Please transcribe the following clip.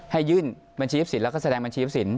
ให้ยื่นบางชีพสินทร์และแสดงบางชีพสินทร์